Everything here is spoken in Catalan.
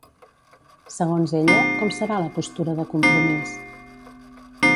Segons ella, com serà la postura de Compromís?